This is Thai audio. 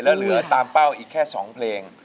แล้วเหลือตามเป้าอีกแค่๒เพลง